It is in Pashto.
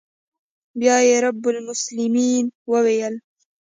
بيا يې رب المسلمين وويل.